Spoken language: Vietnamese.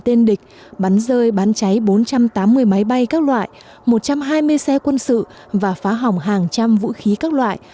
tên địch bắn rơi bắn cháy bốn trăm tám mươi máy bay các loại một trăm hai mươi xe quân sự và phá hỏng hàng trăm vũ khí các loại